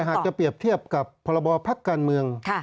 หากจะเปรียบเทียบกับพรบพักการเมือง